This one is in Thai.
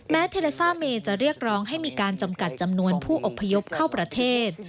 เทเลซ่าเมจะเรียกร้องให้มีการจำกัดจำนวนผู้อบพยพเข้าประเทศ